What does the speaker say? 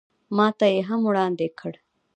ماته یې هم وړاندې کړ.